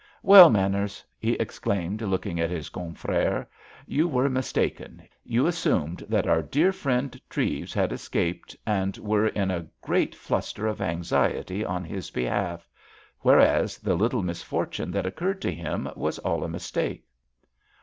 "Well, Manners," he exclaimed, looking at his confrère, "you were mistaken—you assumed that our dear friend Treves had escaped, and were in a great fluster of anxiety on his behalf; whereas the little misfortune that occurred to him was all a mistake."